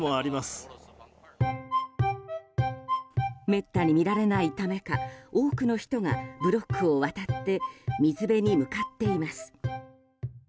めったに見られないためか多くの人がブロックを渡って水辺に向かっています。